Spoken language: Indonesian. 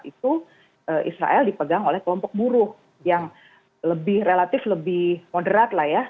itu israel dipegang oleh kelompok buruh yang lebih relatif lebih moderat lah ya